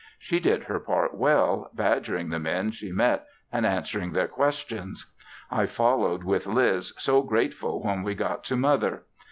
She did her part well, badgering the men she met and answering their questions. I followed with Liz so grateful when we got to Mother.